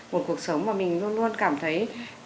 một cuộc sống mà mình luôn luôn cảm thấy